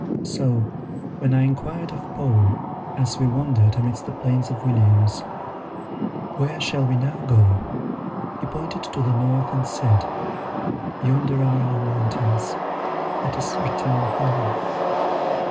So, when I inquired of Paul, as we wandered amidst the plains of Williams, "Where shall we now go?" he pointed to the north, and said, "Yonder are our mountains; let us return home."